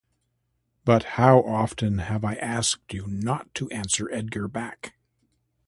But how often have I asked you not to answer Edgar back?